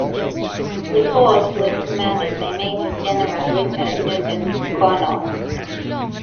The force was commanded by Major-General Richard Nugent O'Connor.